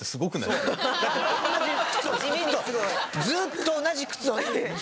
ずっと同じ靴をね